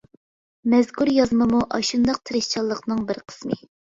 مەزكۇر يازمىمۇ ئاشۇنداق تىرىشچانلىقنىڭ بىر قىسمى.